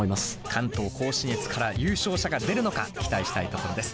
関東甲信越から優勝者が出るのか期待したいところです。